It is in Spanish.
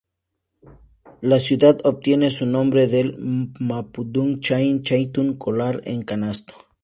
La ciudad obtiene su nombre del mapudungun "chain"-"chaitun"", "colar en canasto".